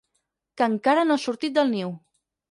Que encara no ha sortit del niu.